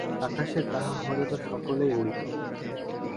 আকাশে তাহা হইলে তো সকলেই উড়িত!